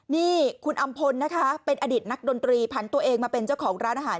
นี่คุณอำพลนะคะเป็นอดีตนักดนตรีผันตัวเองมาเป็นเจ้าของร้านอาหาร